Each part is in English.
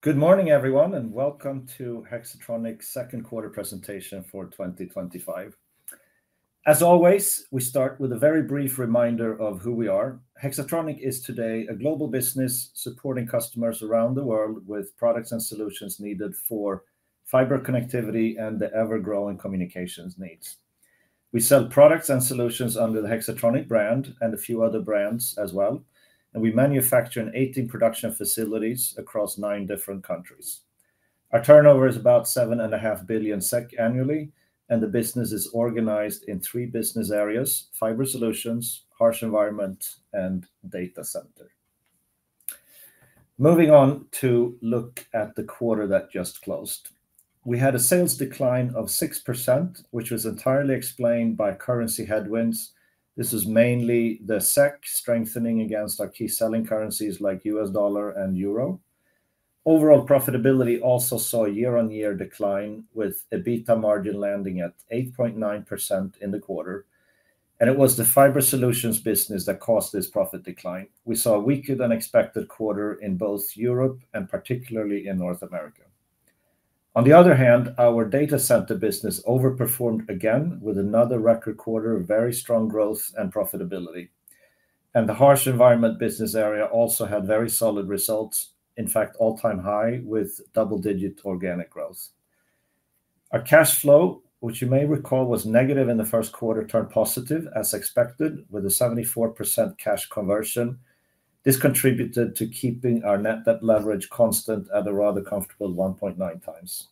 Good morning everyone and welcome to Hexatronic Second Quarter Presentation For 2025. As always, we start with a very brief reminder of who we are. Hexatronic is today a global business supporting customers around the world with products and solutions needed for fiber connectivity and the ever-growing communications needs. We sell products and solutions under the Hexatronic brand and a few other brands as well, and we manufacture in 18 production facilities across nine different countries. Our turnover is about 7.5 billion SEK annually, and the business is organized in three business areas: Fiber Solutions, Harsh Environment, and Data Center. Moving on to look at the quarter that just closed, we had a sales decline of 6% which was entirely explained by currency headwinds. This is mainly the SEK strengthening against our key selling currencies like U.S. dollar and Euro. Overall profitability also saw a year-on-year decline with EBITDA margin landing at 8.9% in the quarter, and it was the Fiber Solutions business that caused this profit decline. We saw a weaker than expected quarter in both Europe and particularly in North America. On the other hand, our Data Center business overperformed again with another record quarter of very strong growth and profitability, and the Harsh Environment business area also had very solid results, in fact all-time high with double-digit organic growth. Our cash flow, which you may recall was negative in the first quarter, turned positive as expected with a 74% cash conversion. This contributed to keeping our net debt leverage constant at a rather comfortable 1.9 times.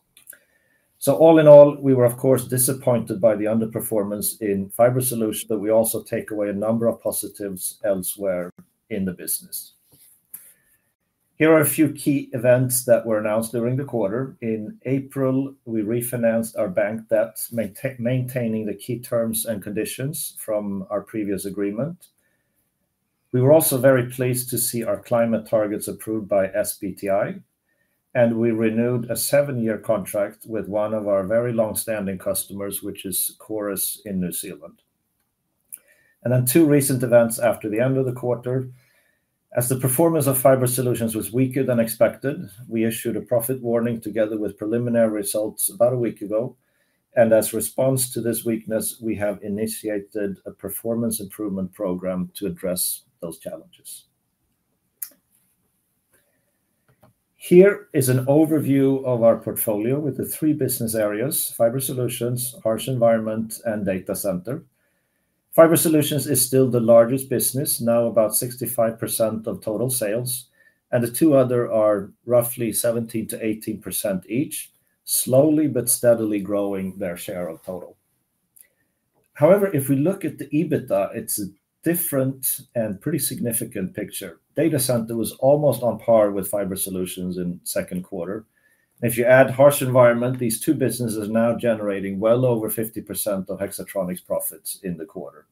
All in all, we were of course disappointed by the underperformance in Fiber Solutions. We also take away a number of positives elsewhere in the business. Here are a few key events that were announced during the quarter. In April, we refinanced our bank debt, maintaining the key terms and conditions from our previous agreement. We were also very pleased to see our climate targets approved by SBTI, and we renewed a seven-year contract with one of our very long-standing customers, which is Chorus in New Zealand. Two recent events after the end of the quarter: as the performance of Fiber Solutions was weaker than expected, we issued a profit warning together with preliminary results about a week ago, and as a response to this weakness, we have initiated a performance improvement program to address those challenges. Here is an overview of our portfolio with the three business Fiber Solutions, Harsh Environment, and Data Center. Fiber Solutions is still the largest business, now about 65% of total sales, and the two others are roughly 17% to 18% each, slowly but steadily growing their share of total. However, if we look at the EBITDA, it's a different and pretty significant picture. Data Center was almost on par with Fiber Solutions in the Second Quarter. If you add Harsh Environment, these two businesses are now generating well over 50% of Hexatronic's profits in the quarter.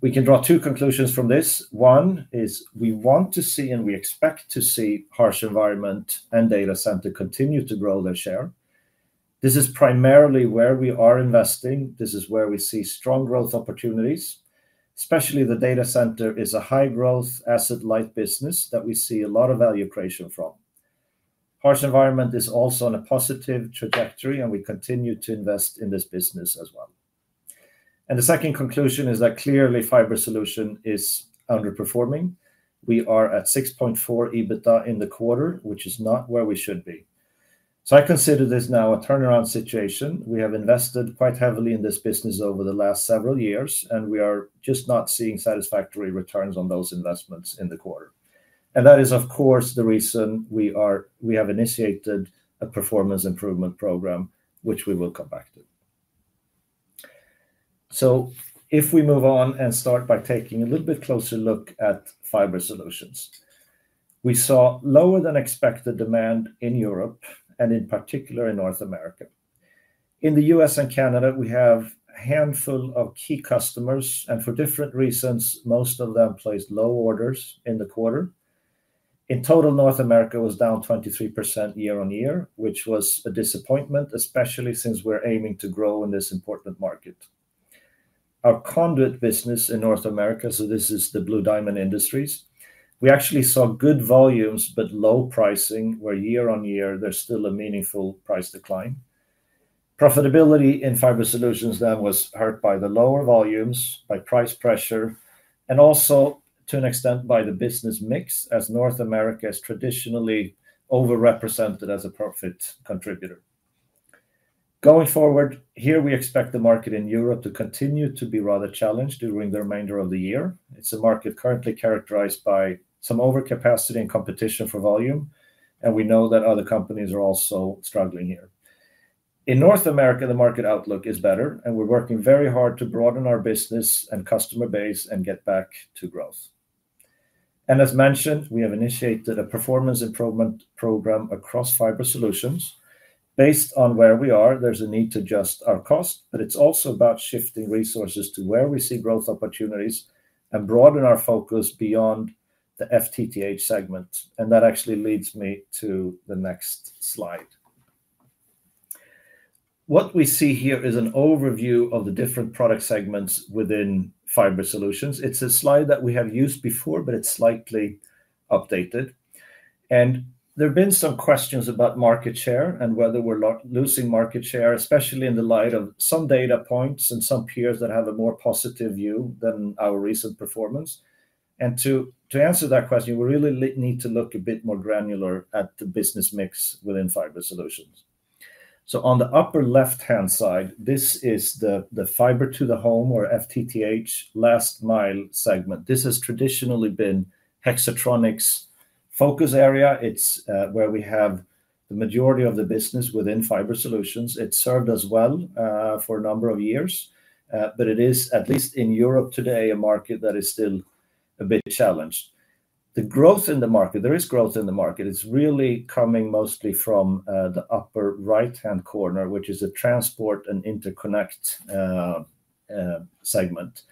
We can draw two conclusions from this. One is we want to see, and we expect to see, Harsh Environment and Data Center continue to grow their share. This is primarily where we are investing. This is where we see strong growth opportunities. Especially the Data Center is a high growth asset-light business that we see a lot of value creation from. Harsh Environment is also on a positive trajectory, and we continue to invest in this business as well. The second conclusion is that clearly Fiber Solutions is underperforming. We are at 6.4% EBITDA in the quarter, which is not where we should be. I consider this now a turnaround situation. We have invested quite heavily in this business over the last several years, and we are just not seeing satisfactory returns on those investments in the quarter. That is of course the reason we have initiated a performance improvement program, which we will come back to. If we move on and start by taking a little bit closer look at Fiber Solutions, we saw lower than expected demand in Europe and in particular in North America. In the U.S. and Canada, we have a handful of key customers, and for different reasons, most of them placed low orders in the quarter. In total, North America was down 23% year on year, which was a disappointment, especially since we're aiming to grow in this important market. Our conduit business in North America, so this is the Blue Diamond Industries, we actually saw good volumes but low pricing where year on year there's still a meaningful price decline. Profitability in Fiber Solutions then was hurt by the lower volumes, by price pressure, and also to an extent by the business mix as North America is traditionally overrepresented as a profit contributor. Going forward here, we expect the market in Europe to continue to be rather challenged during the remainder of the year. It's a market currently characterized by some overcapacity and competition for volume. We know that other companies are also struggling. Here in North America, the market outlook is better and we're working very hard to broaden our business and customer base and get back to growth. As mentioned, we have initiated a performance improvement program across Fiber Solutions based on where we are. There's a need to adjust our cost, but it's also about shifting resources to where we see growth opportunities and broaden our focus beyond the FTTH segment. That actually leads me to the next slide. What we see here is an overview of the different product segments within Fiber Solutions. It's a slide that we have used before, but it's slightly updated and there have been some questions about market share and whether we're losing market share, especially in the light of some data points and some peers that have a more positive view than our recent performance. To answer that question, we really need to look a bit more granular at the business mix within Fiber Solutions. On the upper left-hand side, this is the fiber to the home or FTTH last mile satellite segment. This has traditionally been Hexatronic's focus area. It's where we have the majority of the business within Fiber Solutions. It served us well for a number of years, but it is, at least in Europe today, a market that is still a bit challenged. There is growth in the market. It's really coming mostly from the upper right-hand corner, which is a transport and interconnected segment.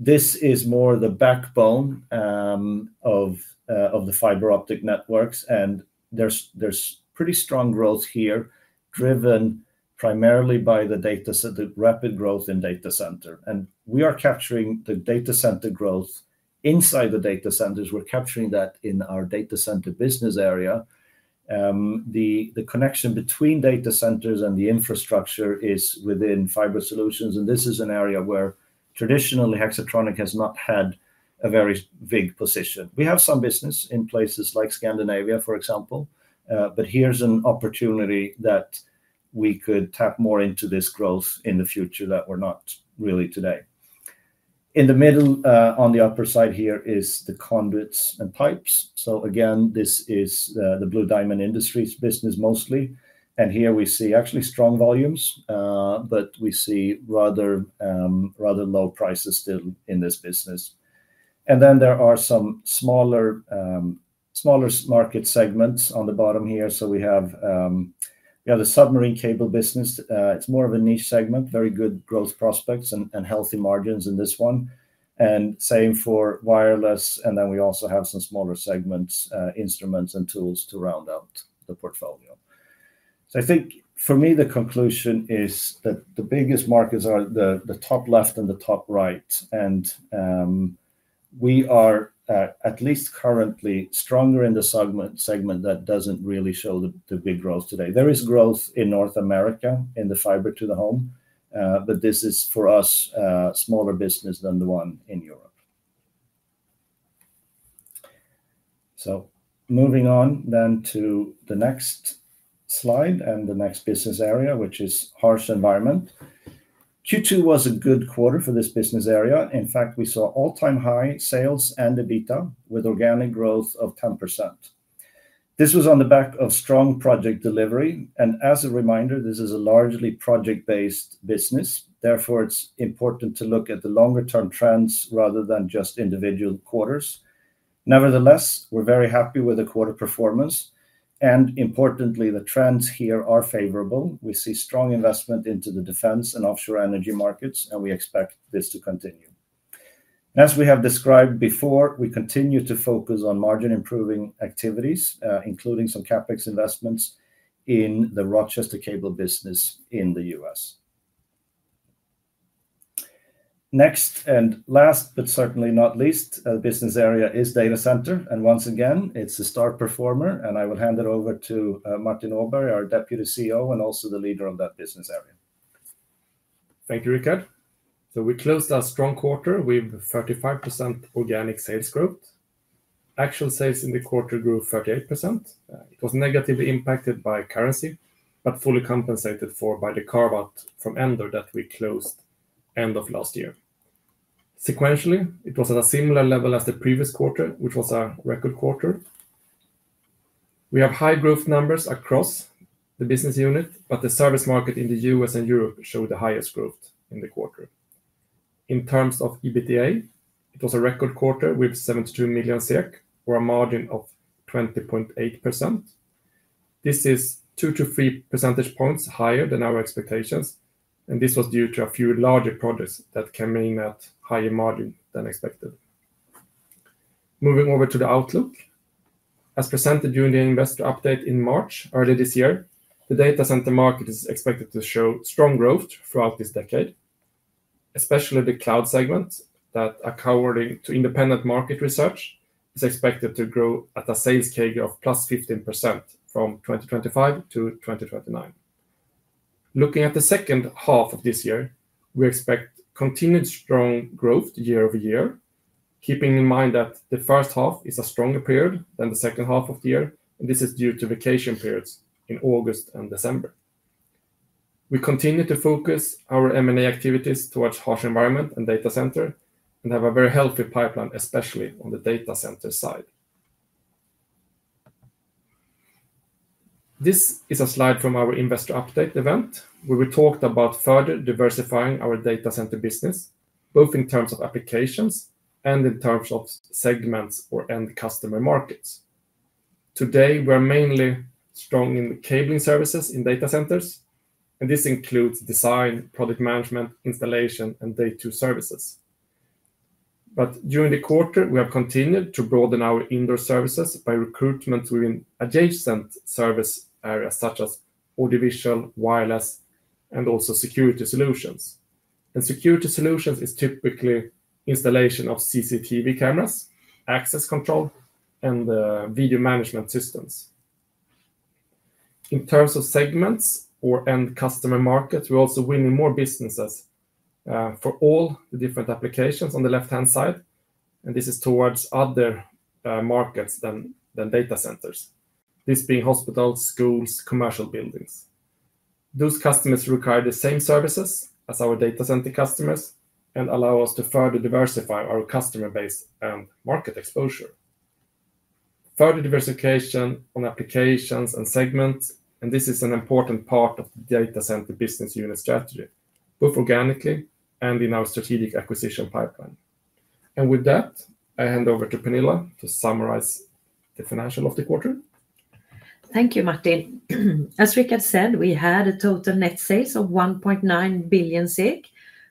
This is more the backbone of the fiber optic networks. There's pretty strong growth here driven primarily by the rapid growth in data center. We are capturing the data center growth inside the data centers. We're capturing that in our data center business area. The connection between data centers and the infrastructure is within Fiber Solutions. This is an area where traditionally Hexatronic has not had a very big position. We have some business in places like Scandinavia, for example. Here's an opportunity that we could tap more into this growth in the future that we're not really today. In the middle, on the upper side here is the conduits and pipes. This is the Blue Diamond Industries business mostly. Here we see actually strong volumes, but we see rather low prices still in this business. There are some smaller market segments on the bottom here. We have the submarine cable business. It's more of a niche segment, very good growth prospects and healthy margins in this one. Same for wireless. We also have some smaller segments, instruments and tools to round out the portfolio. I think for me the conclusion is that the biggest markets are the top left and the top right. We are at least currently stronger in the segment that doesn't really show the big growth today. There is growth in North America in the fiber to the home, but this is for us a smaller business than the one in Europe. Moving on to the next slide and the next business area, which is harsh environment. Q2 was a good quarter for this business area. In fact, we saw all-time high sales and EBITDA with organic growth of 10%. This was on the back of strong project delivery and as a reminder, this is a largely project-based business, therefore it's important to look at the longer-term trends rather than just individual quarters. Nevertheless, we're very happy with the quarter performance and importantly the trends here are favorable. We see strong investment into the defense and offshore energy markets and we expect this to continue as we have described before. We continue to focus on margin improving activities including some CapEx investments in the Rochester Cable business in the U.S. Next and last but certainly not least business area is data center and once again it's a star performer and I will hand it over to Martin Åberg, our Deputy CEO and also the leader of that business area. Thank you, Rikard. We closed a strong quarter with 35% organic sales growth. Actual sales in the quarter grew 38%. It was negatively impacted by currency but fully compensated for by the contribution from Andor that we closed end of last year. Sequentially, it was at a similar level as the previous quarter, which was a record quarter. We have high growth numbers across the business unit, but the service market in the U.S. and Europe showed the highest growth in the quarter. In terms of EBITDA, it was a record quarter with 72 million SEK or a margin of 20.8%. This is two to three percentage points higher than our expectations, and this was due to a few larger projects that came in at higher margin than expected. Moving over to the outlook, as presented during the Investor Update in March early this year, the data center market is expected to show strong growth throughout this decade, especially the cloud segments that are, according to independent market research, expected to grow at a sales CAGR of over 15% from 2025 to 2029. Looking at the second half of this year, we expect continued strong growth year over year, keeping in mind that the first half is a stronger period than the second half of the year, and this is due to vacation periods in August and December. We continue to focus our M&A activities towards harsh environment and data center and have a very healthy pipeline, especially on the data center side. This is a slide from our Investor Update event where we talked about further diversifying our data center business both in terms of applications and in terms of segments or end customer markets. Today, we're mainly strong in the cabling services in data centers, and this includes design, product management, installation, and day two services. During the quarter, we have continued to broaden our indoor services by recruitment within adjacent service areas such as audiovisual, wireless, and also security solutions. Security solutions is typically installation of CCTV cameras, access control, and video management systems. In terms of segments or end customer market, we're also winning more businesses for all the different applications on the left-hand side, and this is towards other markets than data centers, this being hospitals, schools, commercial buildings. Those customers require the same services as our data center customers and allow us to further diversify our customer base and market exposure, further diversification on applications and segments. This is an important part of the data center business unit strategy both organically and in our strategic acquisition pipeline. With that, I hand over to Pernilla to summarize the financials of the quarter. Thank you, Martin. As Rikard said, we had a total net sales of 1.9 billion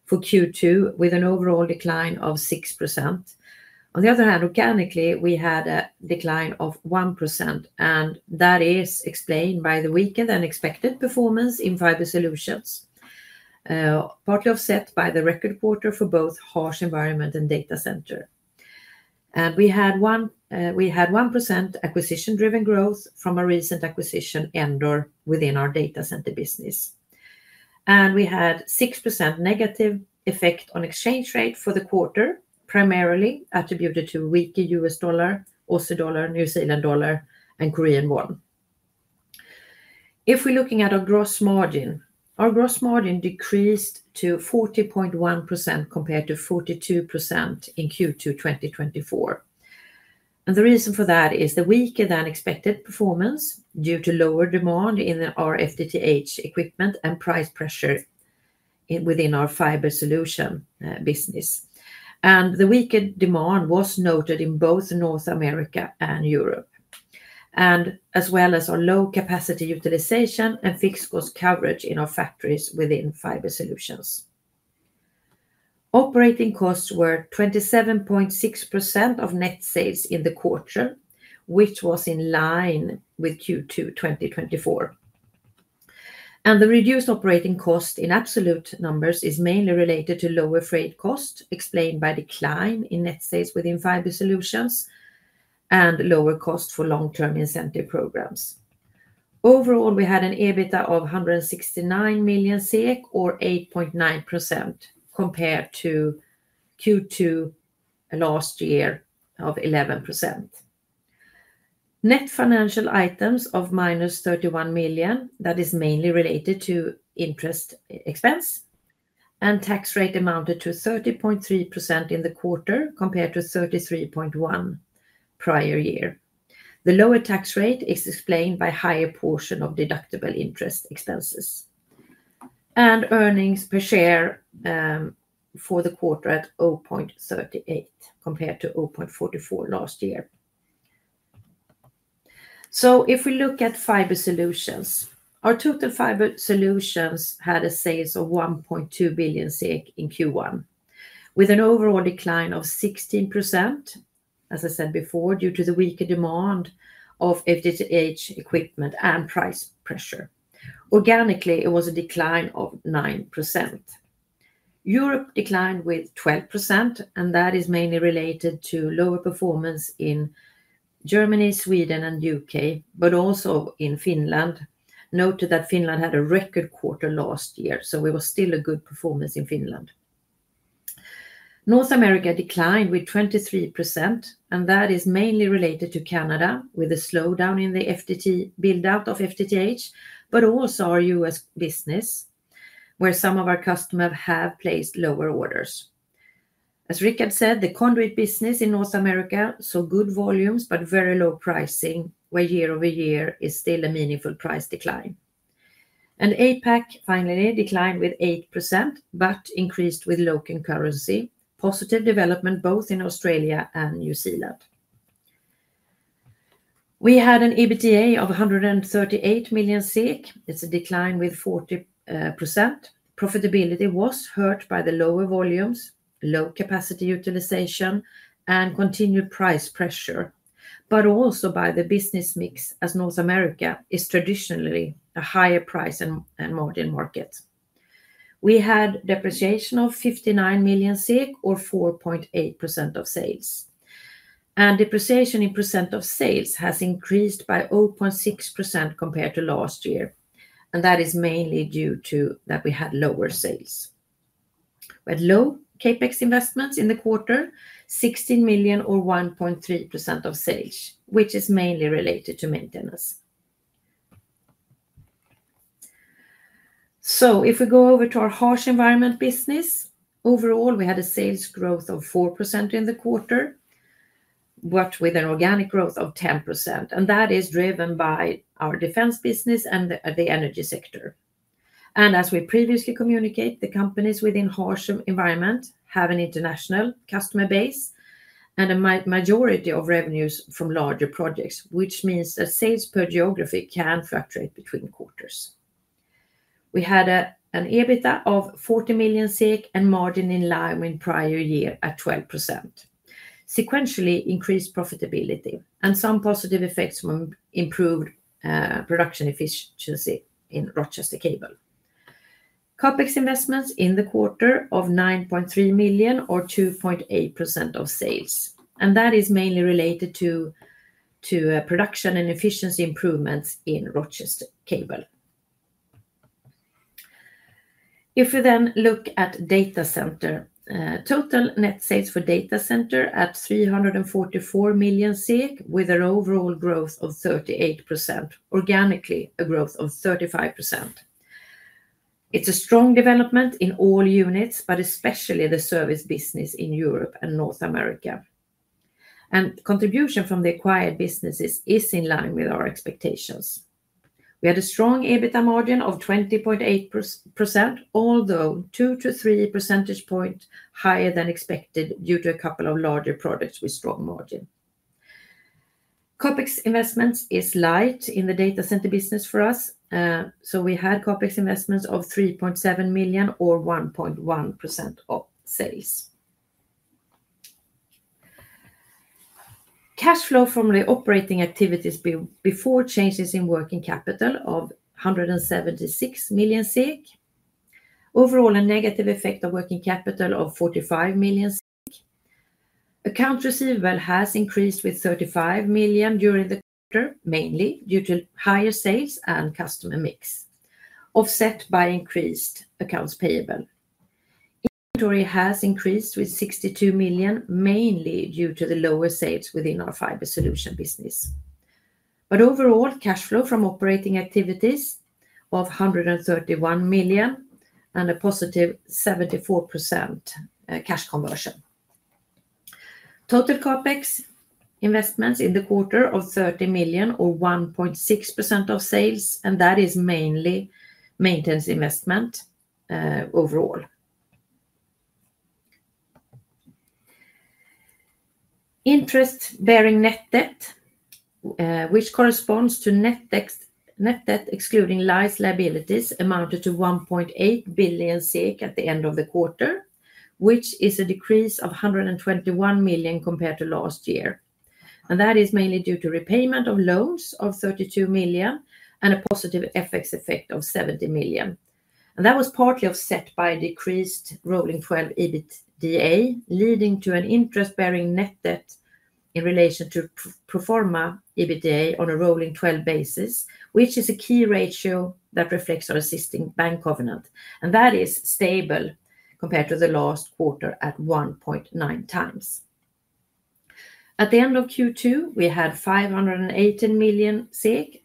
for Q2 with an overall decline of 6%. On the other hand, organically we had a decline of 1% and that is explained by the weaker than expected performance in Fiber Solutions, partly offset by the record quarter for both Harsh Environment and Data Center. We had 1% acquisition-driven growth from a recent acquisition, Andor, within our Data Center business. We had a 6% negative effect on exchange rate for the quarter, primarily attributed to weaker U.S. dollar, Aussie dollar, New Zealand dollar, and Korean won. If we're looking at our gross margin, our gross margin decreased to 40.1% compared to 42% in Q2 2024. The reason for that is the weaker than expected performance due to lower demand in our FTTH equipment and price pressure within our Fiber Solutions business. The weaker demand was noted in both North America and Europe, as well as our low capacity utilization and fixed cost coverage in our factories. Within Fiber Solutions, operating costs were 27.6% of net sales in the quarter, which was in line with Q2 2024. The reduced operating cost in absolute numbers is mainly related to lower freight cost explained by decline in net sales within Fiber Solutions and lower cost for long-term incentive programs. Overall, we had an EBITDA of 169 million SEK, or 8.9%, compared to Q2 last year of 11%. Net financial items of minus 31 million is mainly related to interest expense, and tax rate amounted to 30.3% in the quarter compared to 33.1% prior year. The lower tax rate is explained by higher portion of deductible interest expenses, and earnings per share for the quarter at 0.38 compared to 0.44 last year. If we look at Fiber Solutions, our total Fiber Solutions had a sales of 1.2 billion in Q2 with an overall decline of 16%, as I said before, due to the weaker demand of FTTH equipment and price pressure. Organically, it was a decline of 9%. Europe declined by 12% and that is mainly related to lower performance in Germany, Sweden, and UK, but also in Finland. Noted that Finland had a record quarter last year, so it was still a good performance in Finland. North America declined by 23% and that is mainly related to Canada with a slowdown in the build out of FTTH, but also our U.S. business where some of our customers have placed lower orders. As Rikard said, the conduit business in North America saw good volumes but very low pricing where year over year is still a meaningful price decline. APAC finally declined with 8% but increased with local currency positive development both in Australia and New Zealand. We had an EBITDA of 138 million. It's a decline of 40%. Profitability was hurt by the lower volumes, low capacity utilization, and continued price pressure, but also by the business mix as North America is traditionally a higher price and modern market. We had depreciation of 59 million or 4.8% of sales, and depreciation in percent of sales has increased by 0.6% compared to last year and that is mainly due to lower sales. We had low CapEx investments in the quarter, 16 million or 1.3% of sales, which is mainly related to maintenance. If we go over to our harsh environment business, overall we had a sales growth of 4% in the quarter but with an organic growth of 10% and that is driven by our defense business and the energy sector. As we previously communicated, the companies within Harsh Environment have an international customer base and a majority of revenues from larger projects, which means that sales per geography can fluctuate between quarters. We had an EBITDA of 40 million and margin in line with prior year at 12%. Sequentially increased profitability and some positive effects from improved production efficiency in Rochester Cable. CapEx investments in the quarter of 9.3 million or 2.8% of sales and that is mainly related to production and efficiency improvements in Rochester Cable. If we then look at Data Center, total net sales for Data Center at 344 million with an overall growth of 38%, organically a growth of 35%. It's a strong development in all units, but especially the service business in Europe and North America, and contribution from the acquired businesses is in line with our expectations. We had a strong EBITDA margin of 20.8%, although two to three percentage points higher than expected due to a couple of larger projects with strong margin. CapEx investments is light in the Data Center business for us, so we had CapEx investments of 3.7 million or 1.1% of sales. Cash flow from the operating activities before changes in working capital of 176 million. Overall a negative effect of working capital of 45 million. Accounts receivable has increased with 35 million during the quarter, mainly due to higher sales and customer mix, offset by increased accounts payable. Inventory has increased with 62 million, mainly due to the lower sales within our fiber solutions business. Overall, cash flow from operating activities of 131 million and a positive 74% cash conversion. Total CapEx investments in the quarter of 30 million, or 1.6% of sales, and that is mainly maintenance investment. Overall interest-bearing net debt, which corresponds to net debt excluding lease liabilities, amounted to 1.8 billion SEK at the end of the quarter, which is a decrease of 121 million compared to last year, and that is mainly due to repayment of loans of 32 million and a positive FX effect of 70 million. That was partly offset by decreased rolling 12 EBITDA, leading to an interest-bearing net debt in relation to pro forma EBITDA on a rolling 12 basis points, which is a key ratio that reflects our existing bank covenant, and that is stable compared to the last quarter at 1.9 times. At the end of Q2, we had 518 million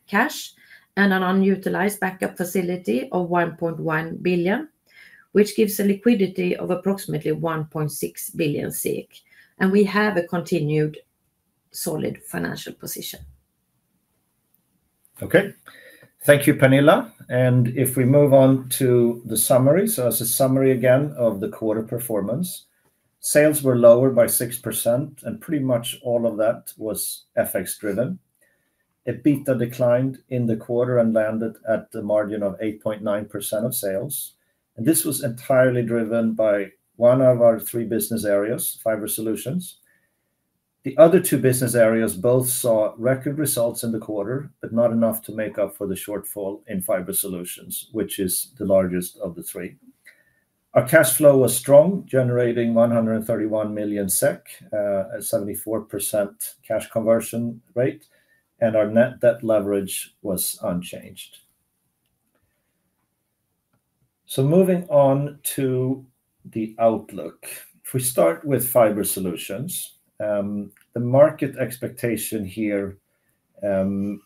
cash and an unutilized backup facility of 1.1 billion, which gives a liquidity of approximately 1.6 billion, and we have a continued solid financial position. Okay, thank you Pernilla and if we move on to the summary. As a summary again of the quarter, performance sales were lower by 6% and pretty much all of that was FX driven. EBITDA declined in the quarter and landed at the margin of 8.9% of sales. This was entirely driven by one of our three business areas, Fiber Solutions. The other two business areas both saw record results in the quarter, not enough to make up for the shortfall in Fiber Solutions which is the largest of the three. Our cash flow was strong, generating 131 million SEK at a 74% cash conversion rate and our net debt leverage was unchanged. Moving on to the outlook, if we start with Fiber Solutions, the market expectation here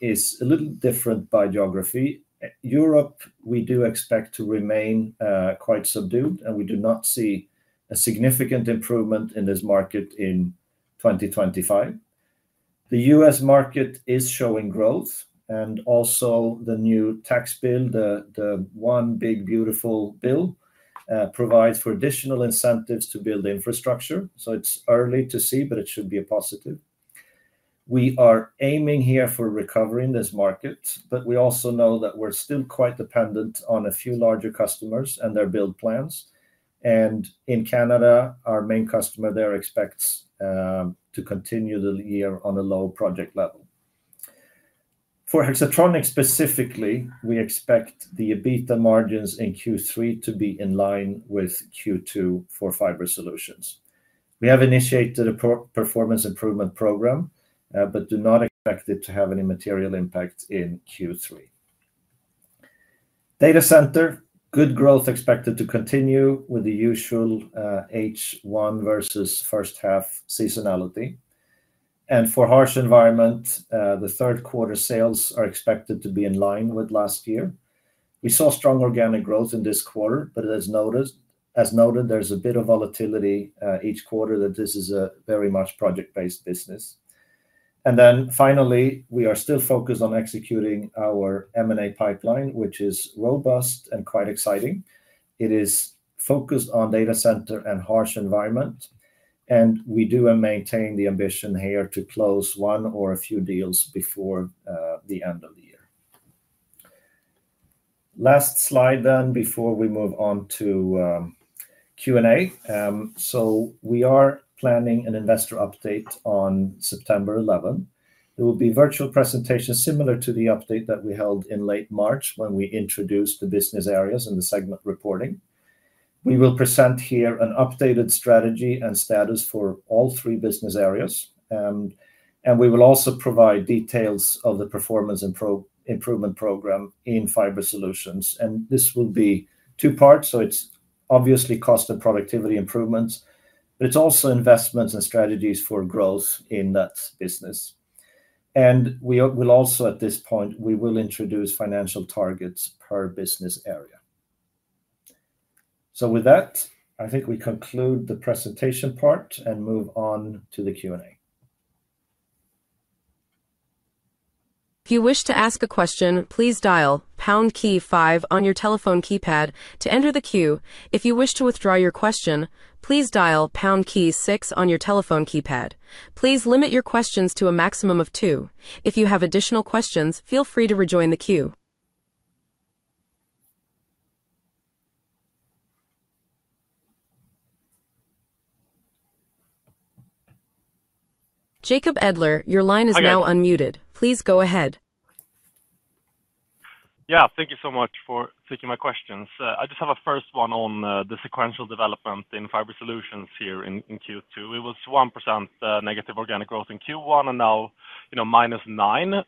is a little different by geography. Europe we do expect to remain quite subdued and we do not see a significant improvement in this market in 2025. The U.S. market is showing growth and also the new tax bill. The one big beautiful bill provides for additional incentives to build infrastructure. It is early to see but it should be a positive. We are aiming here for recovery in this market, we also know that we're still quite dependent on a few larger customers and their build plans. In Canada our main customer there expects to continue the year on a low project level for Hexatronic. Specifically, we expect the EBITDA margins in Q3 to be in line with Q2 for Fiber Solutions, we have initiated a performance improvement program but do not expect it to have any material impact in Q3. Data Center good growth expected to continue with the usual H1 versus first half seasonality and for Harsh Environment. The Third Quarter sales are expected to be in line with last year. We saw strong organic growth in this quarter, as noted there's a bit of volatility each quarter that this is a very much project-based business. Finally, we are still focused on executing our M&A pipeline which is robust and quite exciting. It is focused on Data Center and Harsh Environment and we do maintain the ambition here to close one or a few deals before the end of the year. Last slide then before we move on to Q&A. We are planning an Investor update on September 11th. There will be virtual presentations similar to the update that we held in late March when we introduced the business areas and the segment reporting. We will present here an updated strategy and status for all three business areas, and we will also provide details of the performance improvement program in Fiber Solutions. This will be two parts. It is obviously cost and productivity improvements, but it is also investments and strategies for growth in that business. We will also at this point introduce financial targets per business area. With that, I think we conclude the presentation part and move on to the Q&A. If you wish to ask a question, please dial pound key five on your telephone keypad to enter the queue. If you wish to withdraw your question, please dial pound key six on your telephone keypad. Please limit your questions to a maximum of two. If you have additional questions, feel free to rejoin the queue. Jacob Edler, your line is now unmuted. Please go ahead. Thank you so much for taking my questions. I just have a first one on the sequential development in Fiber Solutions here in Q2. It was 1% negative organic growth in Q1 and now minus 9%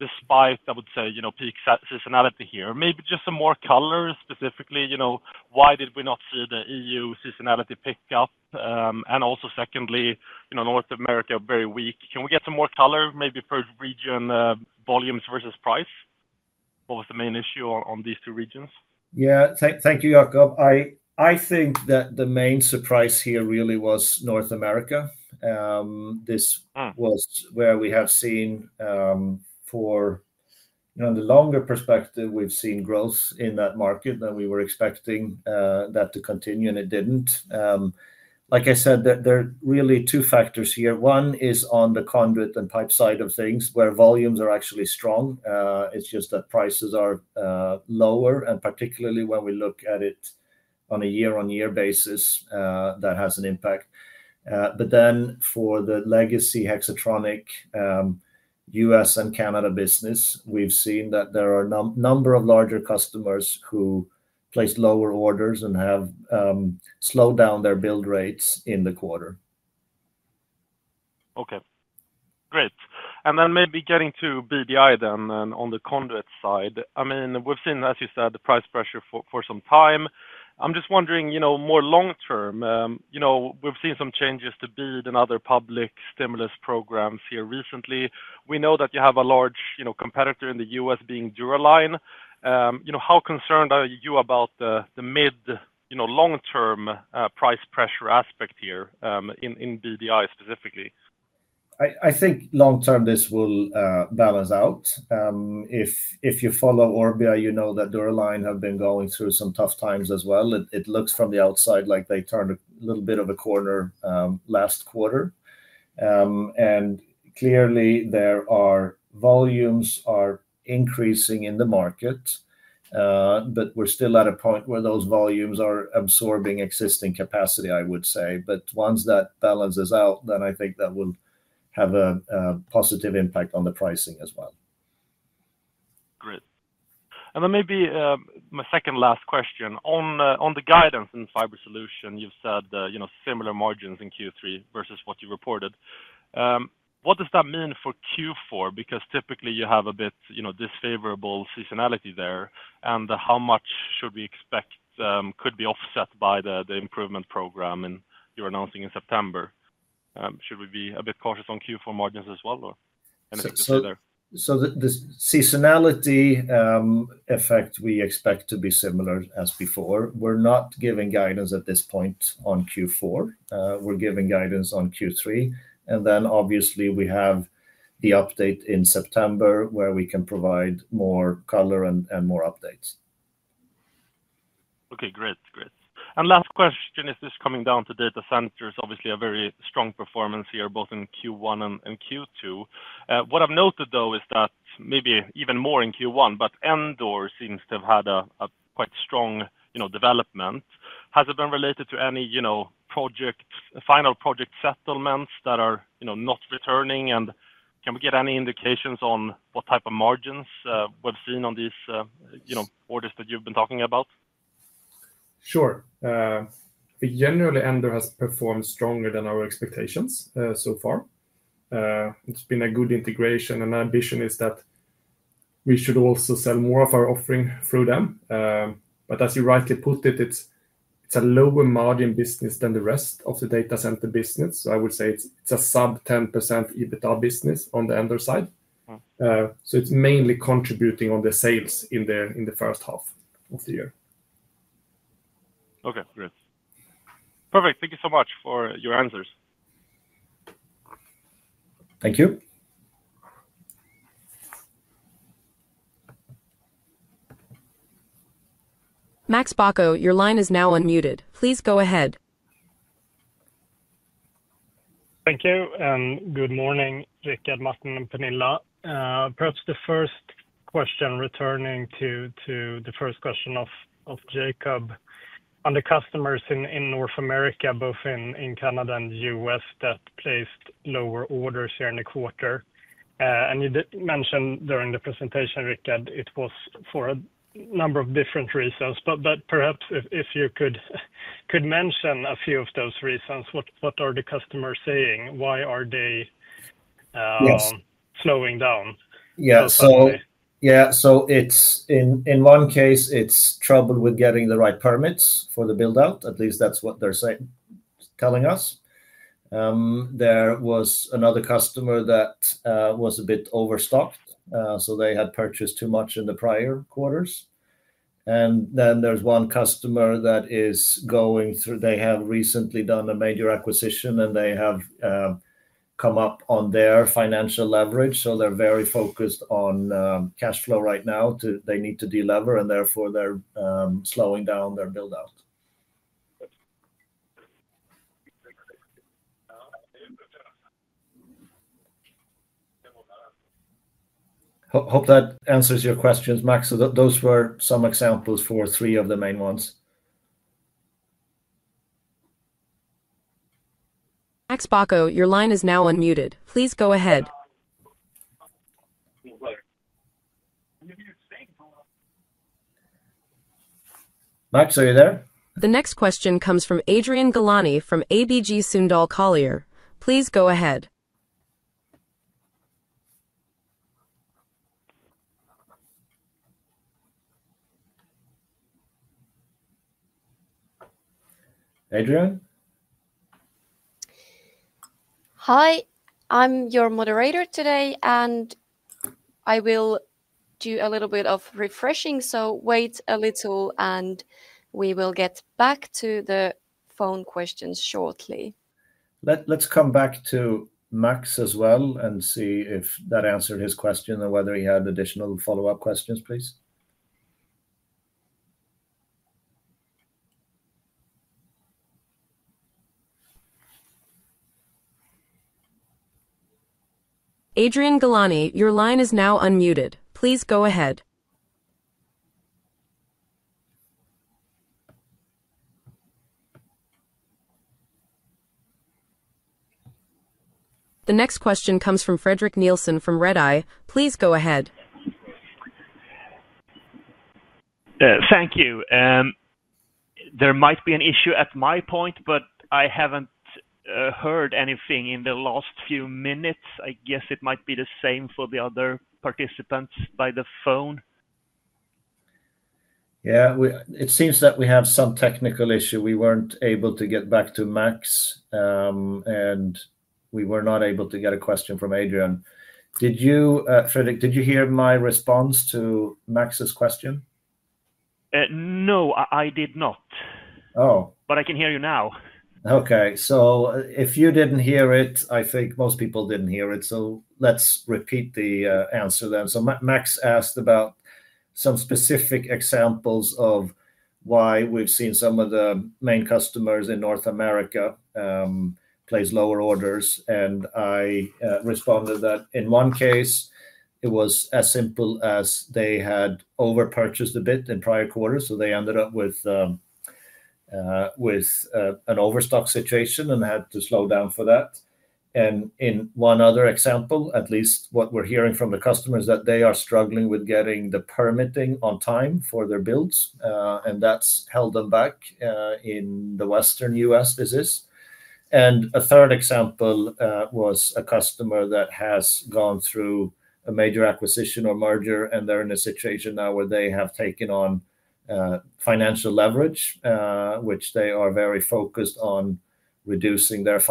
despite, I would say, peak seasonality here. Maybe just some more color. Specifically, why did we not see the EU seasonality pick up? Also, North America, very weak. Can we get some more color, maybe first versus region, volumes versus price? What was the main issue on these two regions? Thank you, Jacob. I think that the main surprise here really was North America. This was where we have seen, for the longer perspective, we've seen growth in that market and we were expecting that to continue and it didn't. Like I said, there are really two factors here. One is on the conduit and pipe side of things where volumes are actually, it's just that prices are lower, and particularly when we look at it on a year-on-year basis, that has an impact. For the legacy Hexatronic U.S. and Canada business, we've seen that there are a number of larger customers who place lower orders and have slowed down their build rates in the quarter. Okay, great. Maybe getting to BDI on the conduit side, we've seen, as you said, the price pressure for some time. I'm just wondering, more long term, we've seen some changes to bid and other public stimulus programs here recently. We know that you have a large competitor in the U.S. being Duralyne. How concerned are you about the mid to long term price pressure aspect here in BDI specifically? I think long term this will balance out. If you follow Orbia, you know that Duraline have been going through some tough times as well. It looks from the outside like they turned a little bit of a corner last quarter, and clearly their volumes are increasing in the market. We're still at a point where those volumes are absorbing existing capacity, I would say. Once that balances out, I think that will have a positive impact on the pricing as well. Great. Maybe my second last question on the guidance in fiber solutions. You've said similar margins in Q3 versus what you reported. What does that mean for Q4? Typically you have a bit disfavorable seasonality there. How much should we expect could be offset by the improvement program you're announcing in September? Should we be a bit cautious on Q4 margins as well or anything to say there? The seasonality effect we expect to be similar as before. We're not giving guidance at this point on Q4, we're giving guidance on Q3, and then obviously we have the update in September where we can provide more color and more updates. Okay, great, great. Last question is this coming down to data centers, obviously a very strong performance here both in Q1 and Q2. What I've noted though is that maybe even more in Q1, but Andor seems to have had a quite strong, you know, development. Has it been related to any, you know, project final project settlements that are, you know, not returning? Can we get any indications on what type of margins we've seen on these orders that you've been talking about? Sure. Generally Andor has performed stronger than our expectations so far. It's been a good integration and ambition is that we should also sell more of our offering through them. As you rightly put it, it's a lower margin business than the rest of the data center business. I would say it's a sub 10% EBITDA business on the underside. It's mainly contributing on the sales in the first half of the year. Okay, great, perfect. Thank you so much for your answers. Thank you. Max Boca, your line is now unmuted. Please go ahead. Thank you and good morning, Perhaps the first question, returning to the first question of Jacob on the customers in North America, both in Canada and U.S., that placed lower orders here in the quarter. You mentioned during the presentation it was for a number of different reasons, but perhaps if you could mention a few of those reasons. What are the customers saying? Why are they slowing down? It's in one case trouble with getting the right permits for the build out. At least that's what they're saying. Telling us there was another customer that was a bit overstocked, so they had purchased too much in the prior quarters. There's one customer that is going through. They have recently done a major acquisition and they have come up on their financial leverage. They're very focused on cash flow right now, they need to de-lever and therefore they're slowing down their build out. Hope that answers your questions, Max. Those were some examples for three of the main ones. Max Baco, your line is now unmuted. Please go ahead. Max, are you there? The next question comes from Adrian Galani from ABG Sundal Collier. Please go ahead. Adrian. Hi, I'm your moderator today and i will do a little bit of refreshing so wait a little and we will get back to the phone questions shortly. Let's come back to Max as well and see if that answered his question or whether he had additional follow-up questions, please. Adrian Galani, your line is now unmuted. Please go ahead. The next question comes from Frederik Nielsen from Redeye. Please go ahead. Thank you. There might be an issue at my point, but I haven't heard anything in the last few minutes. I guess it might be the same for the other participants by the phone. It seems that we have some technical issue. We weren't able to get back to Max, and we were not able to get a question from Adrian. Fredrik, did you hear my response to Max's question? No, I did not. Oh, I can hear you now. Okay, if you didn't hear it, I think most people didn't hear it. Let's repeat the answer then. Max asked about some specific examples of why we've seen some of the main customers in North America place lower orders. I responded that in one case it was as simple as they had over purchased a bit in prior quarters. They ended up with an overstock situation and had to slow down for that. In one other example, at least what we're hearing from the customers is that they are struggling with getting the permitting on time for their builds, and that's held them back in the Western U.S. business. A third example was a customer that has gone through a major acquisition or merger, and they're in a situation now where they have taken on financial leverage, which they are very focused on reducing. Cash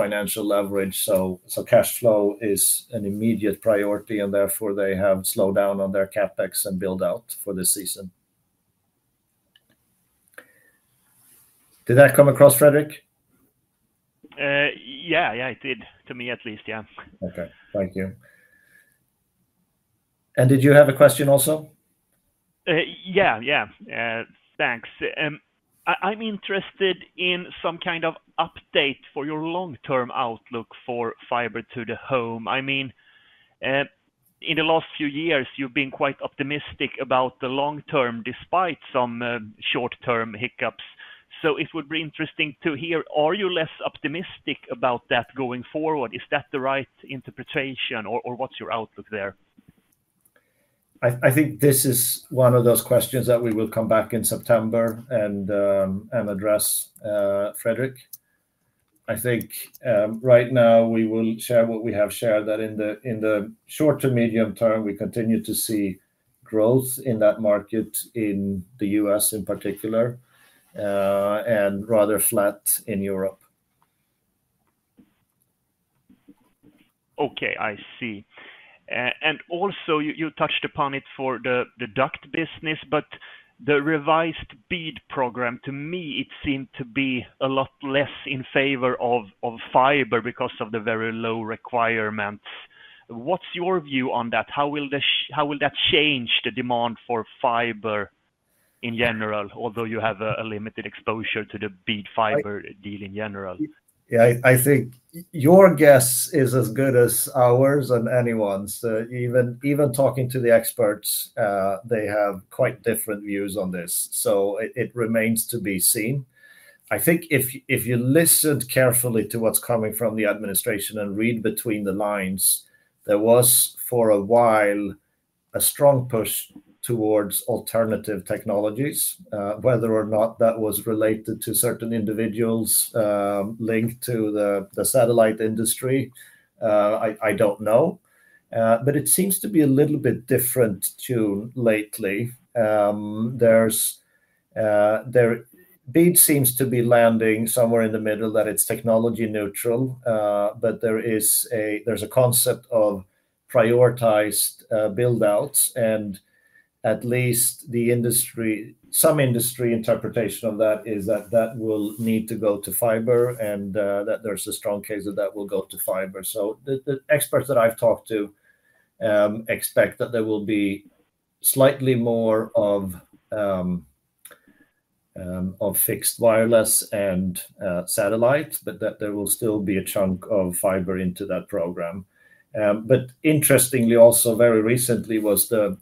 flow is an immediate priority, and therefore they have slowed down on their CapEx and build out for this season. Did that come across, Frederik? Yeah, it did to me at least. Yeah. Okay, thank you. Did you have a question also? Yeah, thanks. I'm interested in some kind of update for your long term outlook for fiber to the home. I mean, in the last few years you've been quite optimistic about the long term despite some short term hiccups. It would be interesting to hear. Are you less optimistic about that going forward? Is that the right interpretation or what's your outlook there? I think this is one of those questions that we will come back in September and address. Frederik, I think right now we will share what we have shared, that in the short to medium term we continue to see growth in that market in the U.S. in particular and rather flat in Europe. Okay, I see. You touched upon it for the duct business, but the revised BEAD program, to me, seemed to be a lot less in favor of fiber because of the very low requirements. What's your view on that? How will that change the demand for fiber in general, although you have a limited exposure to the BEAD fiber deal in general? Yeah, I think your guess is as good as ours. Anyone's even talking to the experts, they have quite different views on this. It remains to be seen. I think if you listened carefully to what's coming from the administration and read between the lines, there was for a while a strong push towards alternative technologies. Whether or not that was related to certain individuals linked to the satellite industry, I don't know. It seems to be a little bit different tune lately. There seems to be landing somewhere in the middle that it's technology neutral. There is a concept of prioritized build outs and at least the industry, some industry interpretation on that is that that will need to go to fiber and that there's a strong case that that will go to fiber. The experts that I've talked to expect that there will be slightly more of fixed wireless and satellite, but that there will still be a chunk of fiber into that program. Interestingly, also very recently was the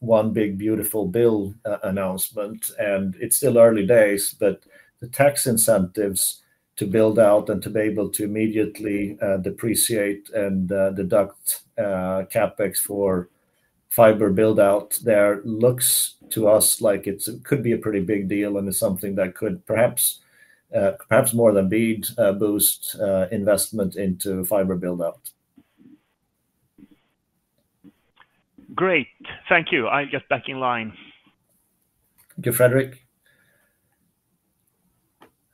one big beautiful bill announcement and it's still early days, but the tax incentives to build out and to be able to immediately depreciate and deduct CapEx for fiber build out there looks to us like it could be a pretty big deal and it's something that could perhaps, perhaps more than BEAD, boost investment into fiber buildup. Great, thank you. I get back in line. Thank you, Frederic.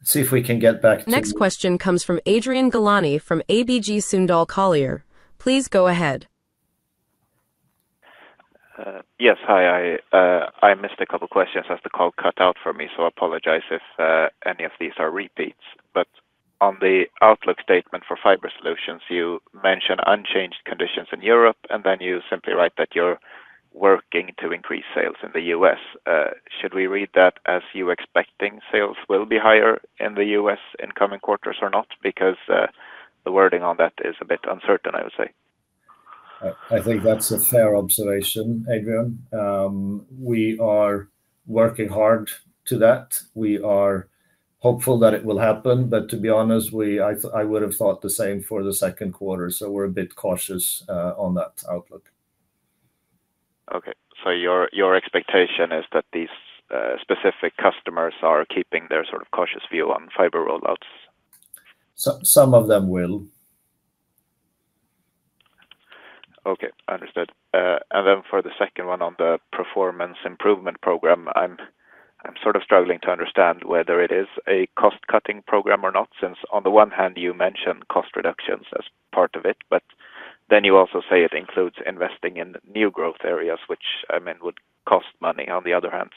See if we can get back. Next question comes from Adrian Galani from ABG Sundal Collier. Please go ahead. Yes, hi. I missed a couple questions as the call cut out for me, so I apologize if any of these are repeats. On the outlook statement for fiber solutions, you mention unchanged conditions in Europe, and then you simply write that you're working to increase sales in the U.S. Should we read that as you expecting sales will be higher in the U.S. in coming quarters or not? The wording on that is a bit uncertain, I would say. I think that's a fair observation, Adrian. We are working hard to that. We are hopeful that it will happen. To be honest, I would have thought the same for the Second Quarter. We're a bit more cautious on that outlook. Okay, so your expectation is that these specific customers are keeping their sort of cautious view on fiber rollouts. Some of them will. Okay, understood. For the second one on the performance improvement program, I'm sort of struggling to understand whether it is a cost cutting program or not since on the one hand you mentioned cost reductions as part of it. You also say it includes investing in new growth areas, which I mean would cost money on the other hand.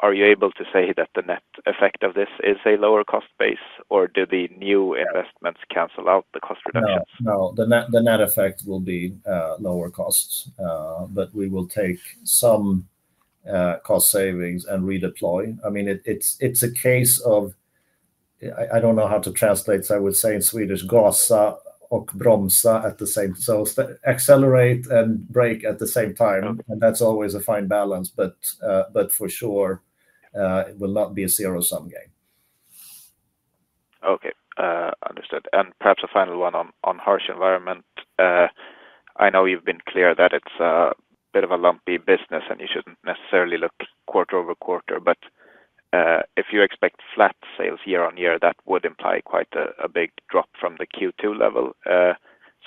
Are you able to say that the net effect of this is a lower cost base or do the new investments cancel out the cost reductions? No, the net effect will be lower costs, but we will take some cost savings and redeploy. I mean, it's a case of, I don't know how to translate. I would say in Swedish, Gossa, ok, Bromsa at the same, so accelerate and brake at the same time, and that's always a fine balance. For sure, it will not be a zero sum game. Okay, understood. Perhaps a final one on harsh environment. I know you've been clear that it's a bit of a lumpy business and you shouldn't necessarily look quarter over quarter, but if you expect flat sales year on year, that would imply quite a big drop from the Q2 level.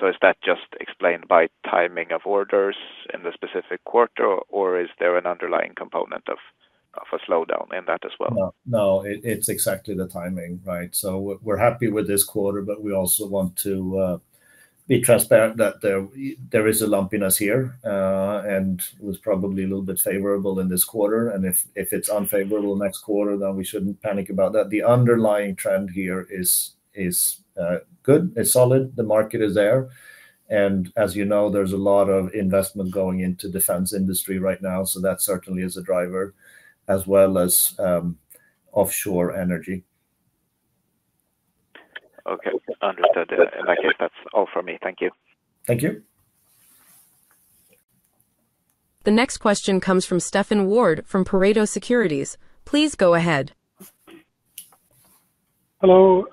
Is that just explained by timing of orders in the specific quarter, or is there an underlying component of a slowdown in that as well? No, it's exactly the timing. Right. We're happy with this quarter, but we also want to be transparent that there is a lumpiness here and it was probably a little bit favorable in this quarter. If it's unfavorable next quarter, we shouldn't panic about that. The underlying trend here is good, it's solid, the market is there, and as you know, there's a lot of investment going into defense industry right now. That certainly is a driver as well as offshore energy. Okay, understood. That's all for me. Thank you. Thank you. The next question comes from Stefan Ward from Pareto Securities. Please go ahead. Hello.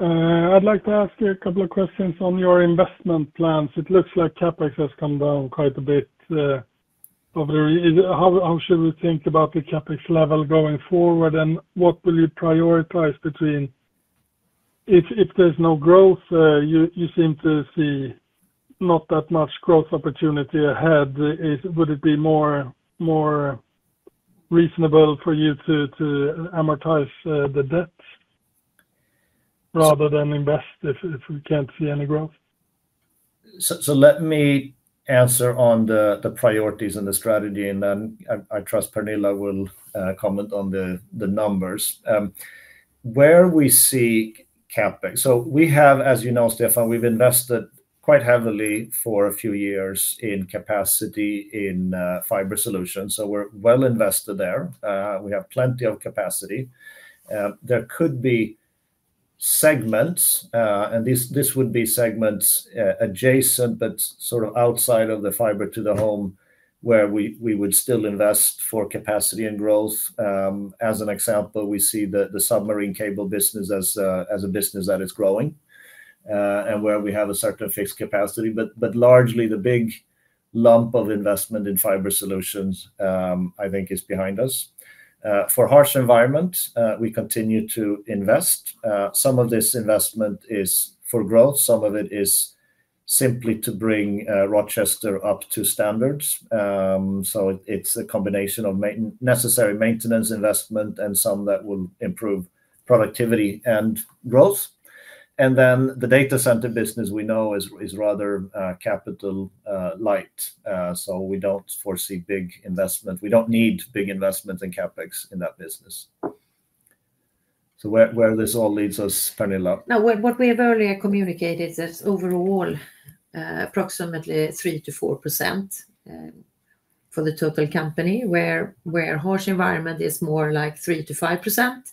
I'd like to ask you a couple of questions on your investment plans. It looks like CapEx has come down quite a bit. How should we think about the CapEx level going forward? What will you prioritize between if there's no growth, you seem to see not that much growth opportunity ahead, would it be more reasonable for you to amortize the debt rather than invest if we can't see any growth? Let me answer on the priorities and the strategy, and then I trust Pernilla will comment on the numbers where we see CapEx. As you know, Stefan, we've invested quite heavily for a few years in capacity in fiber solutions. We're well invested there. We have plenty of capacity. There could be segments, and this would be segments adjacent but sort of outside of the fiber to the home, where we would still invest for capacity and growth. As an example, we see the submarine cable business as a business that is growing and where we have a certain fixed capacity, but largely the big lump of investment in fiber solutions is behind us. For harsh environment, we continue to invest. Some of this investment is for growth, some of it is simply to bring Rochester up to standards. It's a combination of necessary maintenance investment and some that will improve productivity and growth. The data center business we know is rather capital light. We don't foresee big investment. We don't need big investments in CapEx in that business. Where this all leads us now. What we have earlier communicated is that overall approximately three to 4% for the total company, where harsh environment is more like three to 5%,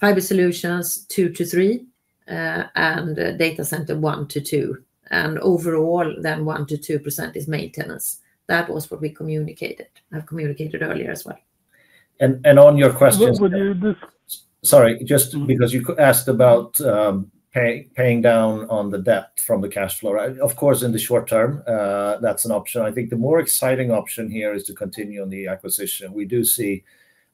fiber solutions two to 3%, and data center one to 2%, and overall then one to 2% is maintenance. That was what we communicated. I've communicated earlier as well. On your question, sorry, just because you asked about paying down on the debt from the cash flow. Of course in the short term that's an option. I think the more exciting option here is to continue on the acquisition. We do see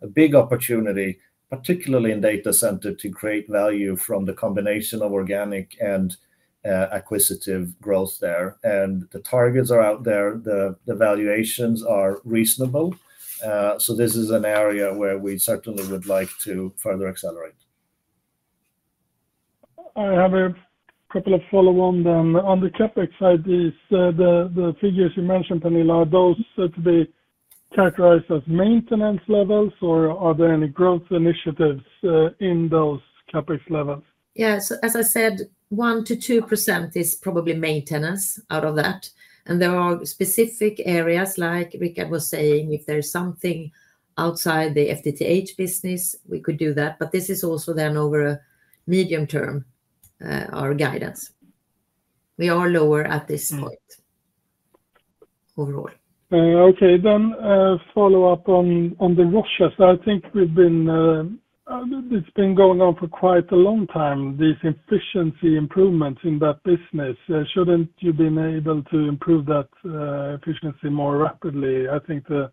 a big opportunity particularly in data center to create value from the combination of organic and acquisitive growth there. The targets are out there, the valuations are reasonable. This is an area where we certainly would like to further accelerate. I have a couple of follow-on then on the CapEx side. The figures you mentioned, Pernilla, are those to be characterized as maintenance levels, or are there any growth initiatives in those CapEx levels? Yes, as I said, one to 2% is probably maintenance out of that, and there are specific areas like Rikard was saying if there's something outside the FTTH business we could do that. This is also then over a medium term our guidance; we are lower at this point overall. Okay, follow up on the Russia. I think we've been, it's been going on for quite a long time, these efficiency improvements in that business. Shouldn't you have been able to improve that efficiency more rapidly? I think the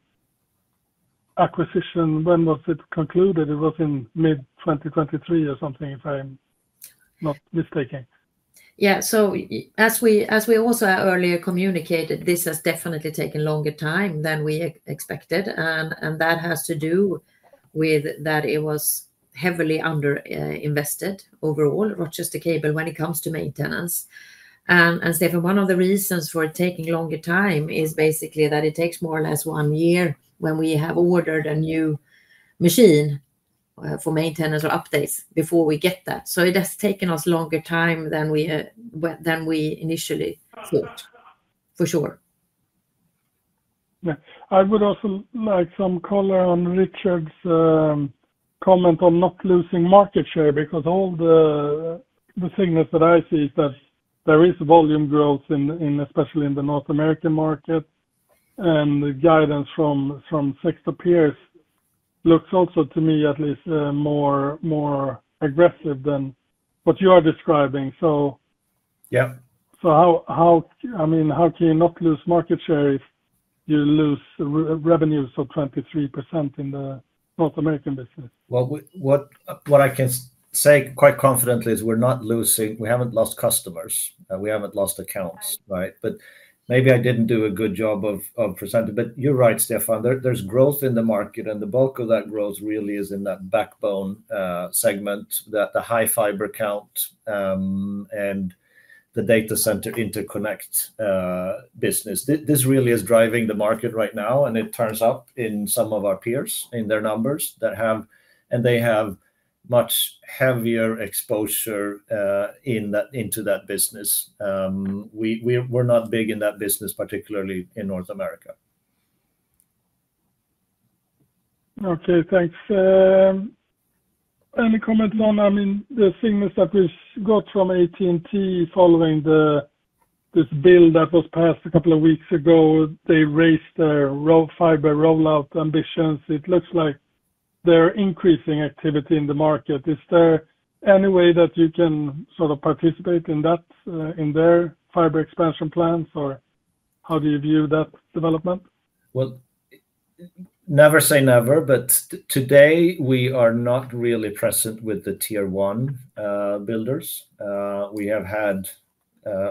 acquisition, when was it concluded? It was in mid 2023 or something frame, not mistaking. Yeah. As we also earlier communicated, this has definitely taken longer time than we expected and that has to do with that it was heavily underinvested overall. Rochester Cable, when it comes to maintenance, and Stefan, one of the reasons for taking longer time is basically that it takes more or less one year when we have ordered a new machine for maintenance or updates before we get that. It has taken us longer time than we initially thought for sure. I would also like some color on Rikard's comment on not losing market share because all the signals that I see are that there is volume growth, especially in the North American market. The guidance from sector peers looks also to me at least more aggressive than what you are describing. Yeah. How can you not lose market share if you lose revenues of 23% in the North American business? I can say quite confidently we're not losing. We haven't lost customers, we haven't lost accounts. You're right, Stefan. There's growth in the market and the bulk of that growth really is in that backbone segment, the high fiber count and the data center interconnect business. This really is driving the market right now and it turns up in some of our peers in their numbers, and they have much heavier exposure into that business. We're not big in that business, particularly in North America. Okay, thanks. Any comment on the signals that we got from AT&T following this bill that was passed a couple of weeks ago? They raised their fiber rollout ambitions. It looks like they're increasing activity in the market. Is there any way that you can sort of participate in that in their fiber expansion plans, or how do you view that development? Never say never. Today we are not really present with the Tier one builders. We have had,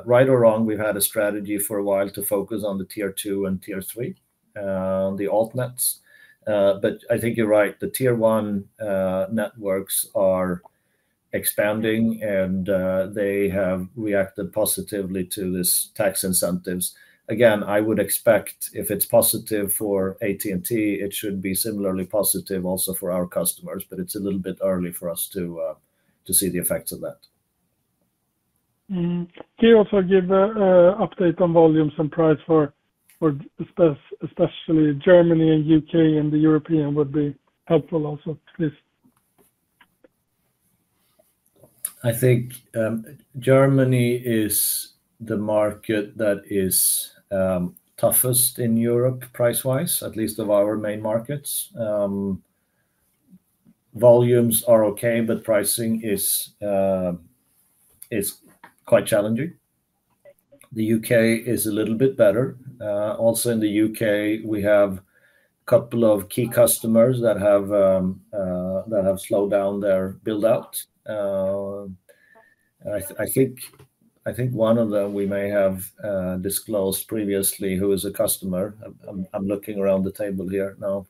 right or wrong, a strategy for a while to focus on the Tier two and Tier three, on the alternates. I think you're right, the Tier one networks are expanding and they have reacted positively to these tax incentives. Again, I would expect if it's positive for AT&T it should be similarly positive also for our customers. It's a little bit early for us to see the effects of that. Can you also give an update on volumes and price for especially Germany and U.K., and the European would be helpful also, please. I think Germany is the market that is toughest in Europe, price wise, at least of our main markets. Volumes are okay, but pricing is quite challenging. The U.K. is a little bit better. Also in the U.K. we have a couple of key customers that have slowed down their build out. I think one of them we may have disclosed previously who is a customer. I'm looking around the table here now,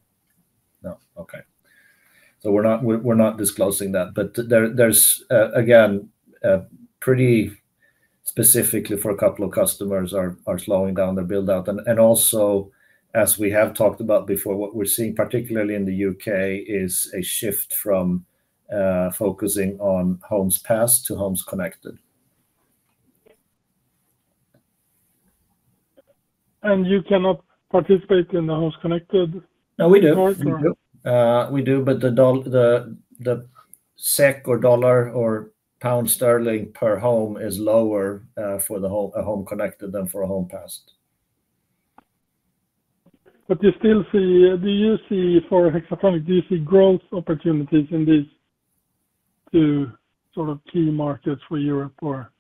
No. Okay, we're not disclosing that, but there's again pretty specifically for a couple of customers are slowing down their build out. Also, as we have talked about before, what we're seeing, particularly in the U.K., is a shift from focusing on homes passed to homes connected. You cannot participate in the homes connected. We do, we do. The SEK or dollar or pound sterling per home is lower for the home connected than for a home pass. Do you see for Hexatronic, do you see growth opportunities in these two sort of key markets for Europe, or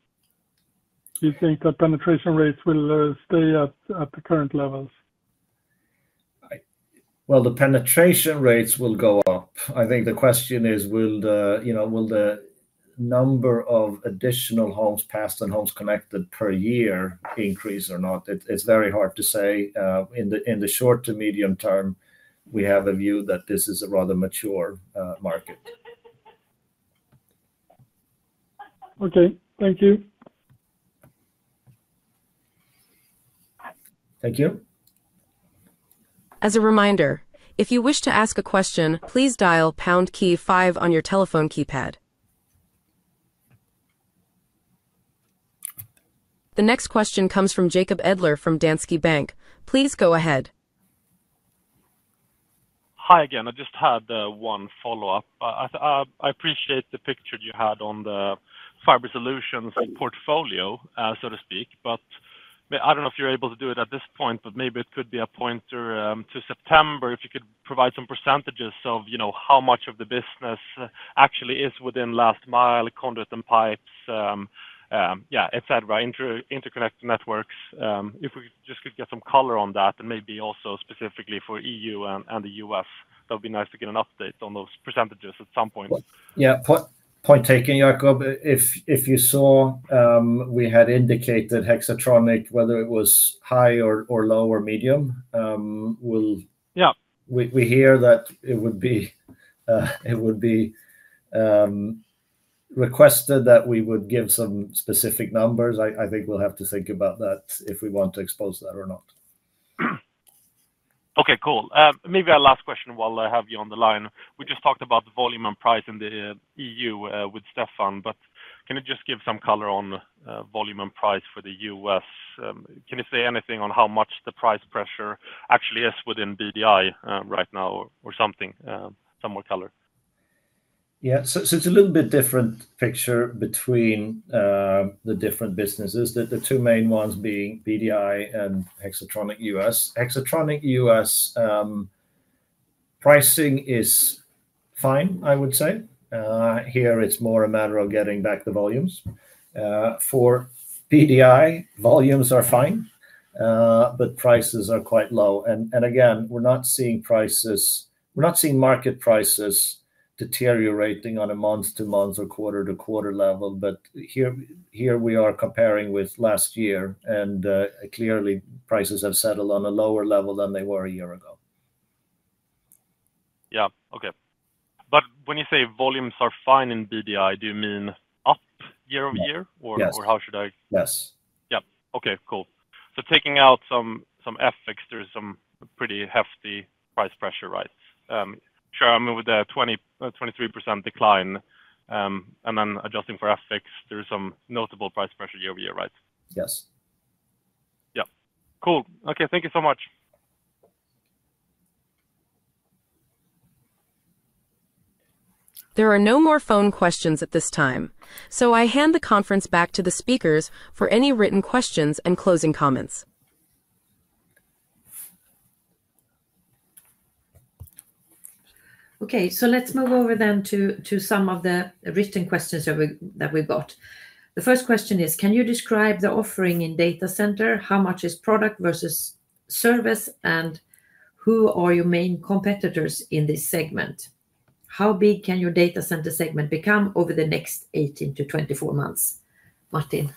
do you think that penetration rates will stay at the current levels? The penetration rates will go up. I think the question is, will the number of additional homes passed and homes connected per year increase or not? It's very hard to say in the short to medium term. We have a view that this is a rather mature market. Okay, thank you. Thank you. As a reminder, if you wish to ask a question, please dial key five on your telephone keypad. The next question comes from Jacob Edler from Danske Bank. Please go ahead. Hi again. I just had one follow-up. I appreciate the picture you had on the fiber solutions portfolio, so to speak, but I don't know if you're able to do it at this point. Maybe it could be a pointer to September if you could provide some percentages of, you know, how much of the business actually is within last mile, conduit and pipe, etc., interconnected networks. If we just could get some color on that and maybe also specifically for E.U. and the U.S., that would be nice to get an update on those percentages at some point. Yeah, point taken. Jacob, if you saw we had indicated Hexatronic, whether it was high or low or medium. We hear that it would be requested that we would give some specific numbers. I think we'll have to think about that if we want to expose that or not. Okay, cool. Maybe our last question while I have you on the line. We just talked about the volume and price in the EU with Stefan, but can you just give some color on volume and price for the U.S.? Can you say anything on how much the price pressure actually is within BDI right now or something? Some more color? It's a little bit different picture between the different businesses, the two main ones being PDI and Hexatronic U.S. Hexatronic U.S. pricing is fine. I would say here it's more a matter of getting back the volumes. For PDI, volumes are fine, but prices are quite low. We're not seeing market prices deteriorating on a month-to-month or quarter-to-quarter level. Here we are comparing with last year, and clearly prices have settled on a lower level than they were a year ago. Okay, but when you say volumes are fine in BDI, do you mean up year over year or how should I? Yes. Okay, cool. Taking out some fix, there's some pretty hefty price pressure, right? Sure. With a 23% decline and then adjusting for FX, there is some notable price pressure year over year, right? Yes. Yeah, cool. Okay, thank you so much. There are no more phone questions at this time. I hand the conference back to the speakers for any written questions and closing comments. Okay, let's move over to some of the written questions that we got. The first question is, can you describe the offering in data center? How much is product versus service? Who are your main competitors in this segment? How big can your data center segment become over the next 18 to 24 months? Martin?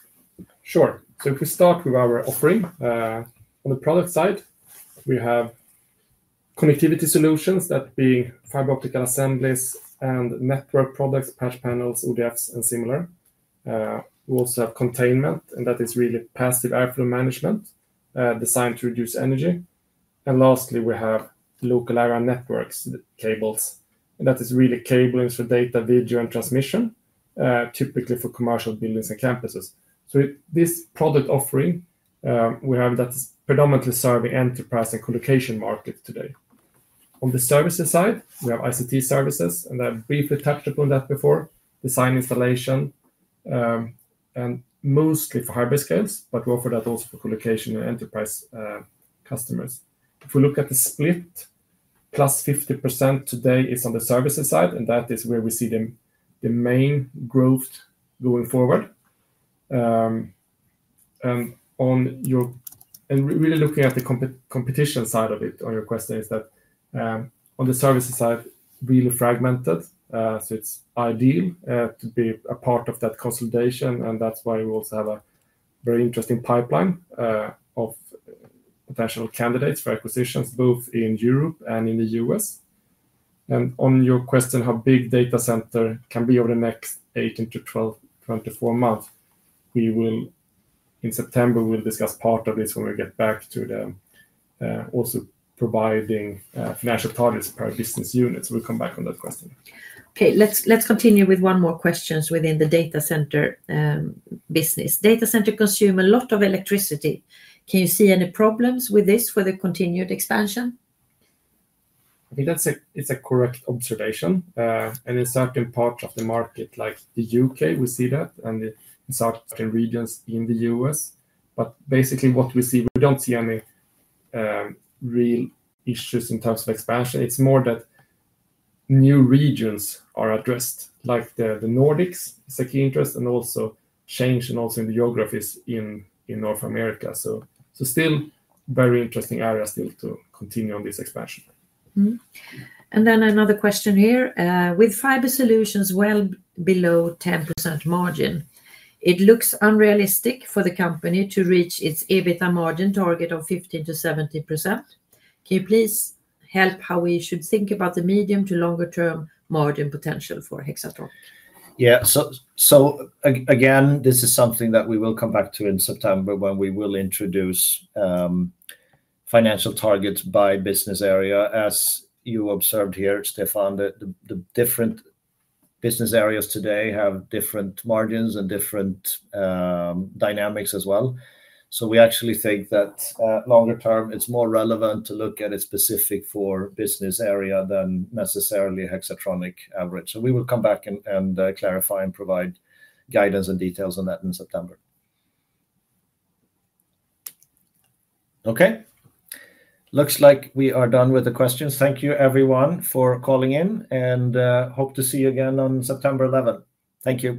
If we start with our offering on the product side, we have connectivity solutions, that being fiber optical assemblies and network products, patch panels, ODFs, and similar. We also have containment, and that is really passive airflow management designed to reduce energy. Lastly, we have local area networks, cables, and that is really cabling for data, video, and transmission, typically for commercial buildings and campuses. This product offering predominantly serves the enterprise and colocation market today. On the services side, we have ICT services, and I briefly touched upon that before: design, installation, and mostly for hybrid scales. We offer that also for colocation and enterprise customers. If we look at the split, plus 50% today is on the services side, and that is where we see the main growth going forward. Really looking at the competition side of it, on your question, on the services side, it is really fragmented. It is ideal to be a part of that consolidation. That is why we also have a very interesting pipeline of potential candidates for acquisitions both in Europe and in the U.S. On your question, how big data center can be over the next 12 to 24 months, we will in September discuss part of this when we get back to them, also providing financial targets per business unit. We will come back on that question. Okay, let's continue with one more question. Within the data center business, data centers consume a lot of electricity. Can you see any problems with this for the continued expansion? I mean that's a correct observation. In certain parts of the market like the U.K., we see that and the southern regions in the U.S., but basically what we see, we don't see any real issues in terms of expansion. It's more that new regions are addressed, like the Nordics is a key interest and also change, and also in geographies in North America. So, is still a very interesting area to continue on this expansion. Another question here. With Fiber Solutions well below 10% margin, it looks unrealistic for the company to reach its EBITDA margin target of 15 to 17%. Can you please help how we should think about the medium to longer term margin potential for Hexatronic. Yeah, this is something that we will come back to in September when we will introduce financial targets by business area. As you observed here, Stefan, the different business areas today have different margins and different dynamics as well. We actually think that longer term it's more relevant to look at it specific for business area than necessarily Hexatronic average. We will come back and clarify and provide guidance and details on that in September. Okay, looks like we are done with the questions. Thank you everyone for calling in and hope to see you again on September 11th. Thank you.